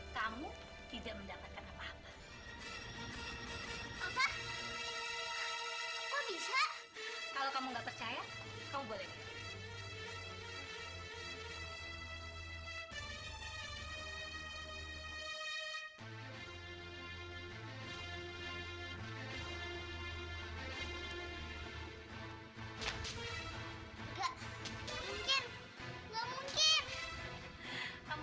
kamu memang anak ibu yang pintar bu sayang sekali sama kamu